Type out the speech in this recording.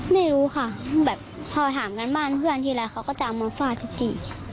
ไม่รู้ค่ะแบบพอถามกันบ้านเพื่อนทีไรเขาก็จะเอามาฟาดจริง